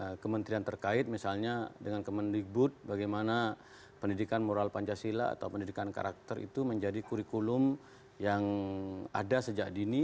dari kementerian terkait misalnya dengan kemendikbud bagaimana pendidikan moral pancasila atau pendidikan karakter itu menjadi kurikulum yang ada sejak dini